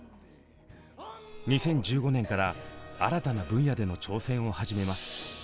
２０１５年から新たな分野での挑戦を始めます。